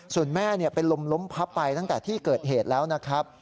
ส่วนแม่เป็นลมล้มพับไปตั้งแต่ที่เกิดเหตุแล้วนะครับ